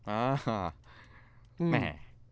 เออฮะแหม